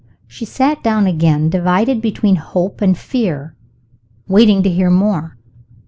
She sat down again, divided between hope and fear, waiting to hear more.